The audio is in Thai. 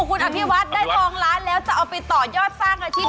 คุณอภิวัฒน์ได้ทองล้านแล้วจะเอาไปต่อยอดสร้างอาชีพ